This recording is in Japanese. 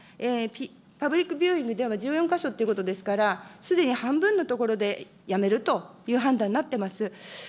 パブリックビューイングでは１４か所ということですから、すでに半分の所でやめるという判断になってます。